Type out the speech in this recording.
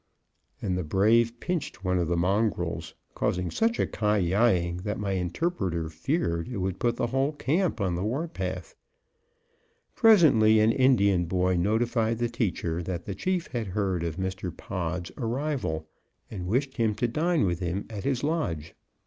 And the brave pinched one of the mongrels, causing such a ky eying that my interpreter feared it would put the whole camp on the war path. Presently an Indian boy notified the teacher that the chief had heard of Mr. Pod's arrival, and wished him to dine with him at his lodge.